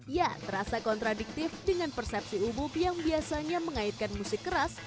ya terasa kontradiktif dengan persepsi umum yang biasanya mengaitkan musik keras